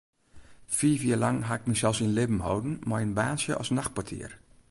Fiif jier lang ha ik mysels yn libben holden mei in baantsje as nachtportier.